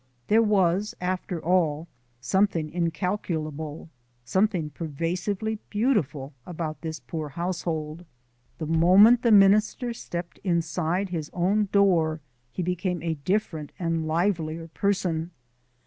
There was, after all, something incalculable, something pervasively beautiful about this poor household. The moment the minister stepped inside his own door he became a different and livelier person.